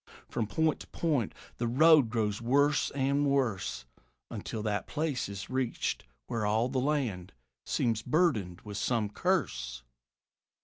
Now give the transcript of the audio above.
From point to point the road grows worse and worse, Until that place is reached where all the land Seems burdened with some curse.